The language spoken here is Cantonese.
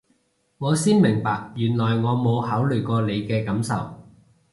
我先明白原來我冇考慮過你嘅感受